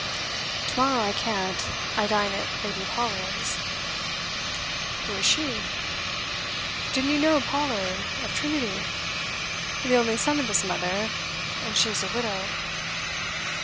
'To morrow I can't. I dine at Lady Pollard's.' 'Who is she?' 'Didn't you know Pollard of Trinity? the only son of his mother, and she a widow.